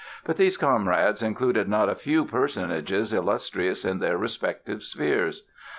But these comrades included not a few personages illustrious in their respective spheres.